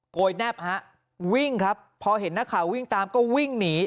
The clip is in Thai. ยแนบฮะวิ่งครับพอเห็นนักข่าววิ่งตามก็วิ่งหนี